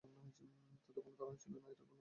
তাদের কোন ধারণাই ছিল না এটা কতটা কঠিন হতে যাচ্ছিল।